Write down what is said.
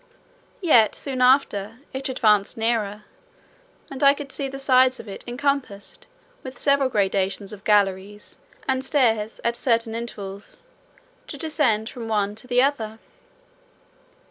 Yet soon after, it advanced nearer, and I could see the sides of it encompassed with several gradations of galleries, and stairs, at certain intervals, to descend from one to the other.